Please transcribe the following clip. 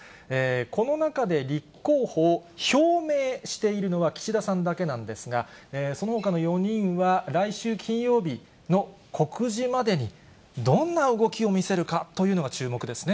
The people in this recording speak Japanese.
この中で立候補を表明しているのは岸田さんだけなんですが、そのほかの４人は、来週金曜日の告示までに、どんな動きを見せるかというのが注目ですね。